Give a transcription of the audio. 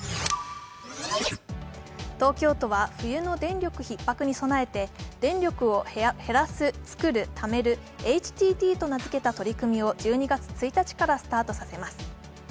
東京都は冬の電力ひっ迫に備えて電力を「減らす・創る・蓄める」ＨＴＴと名付けた取り組みを１２月１日からスタートさせます。